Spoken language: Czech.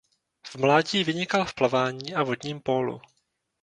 V mládí vynikal v plavání a vodním pólu.